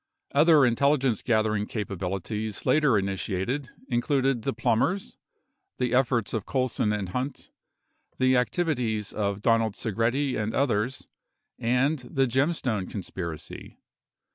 Other intelligence gathering capabilities later initiated included the Plumbers, the efforts of Colson and Hunt, the activities of Donald iSegretti and others, and the Gemstone conspiracy.